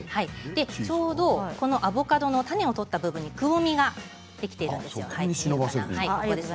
ちょうどアボカドの種を取った部分にそこに忍ばせるんですか。